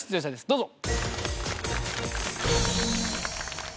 どうぞ。